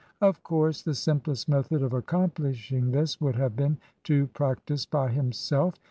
Of course the simplest method of accomplishing this would have been to practise by himself.